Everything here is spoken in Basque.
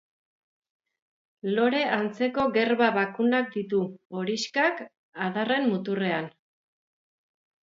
Lore antzeko gerba bakunak ditu, horixkak, adarren muturrean.